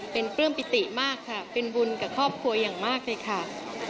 เป็นปลื้มปิติมากค่ะเป็นบุญกับครอบครัวอย่างมากเลยค่ะ